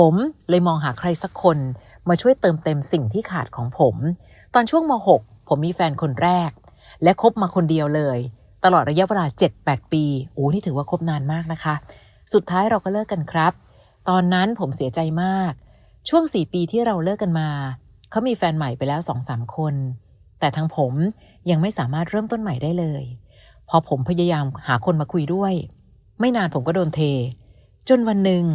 ผมเลยมองหาใครสักคนมาช่วยเติมเต็มสิ่งที่ขาดของผมตอนช่วงม๖ผมมีแฟนคนแรกและคบมาคนเดียวเลยตลอดระยะเวลา๗๘ปีโอ้นี่ถือว่าคบนานมากนะคะสุดท้ายเราก็เลิกกันครับตอนนั้นผมเสียใจมากช่วงสี่ปีที่เราเลิกกันมาเขามีแฟนใหม่ไปแล้วสองสามคนแต่ทั้งผมยังไม่สามารถเริ่มต้นใหม่ได้เลยพอผมพยายามหาคนมาคุยด้วยไม่นานผมก็โดนเทจนวันหนึ่ง